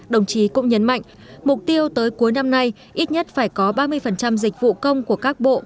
đồng chí cũng nhấn mạnh mục tiêu tới cuối năm nay ít nhất phải có ba mươi dịch vụ công của các bộ